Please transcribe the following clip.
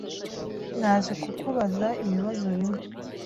Naje kukubaza ibibazo bimwe.